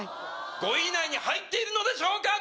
５位以内に入っているのでしょうか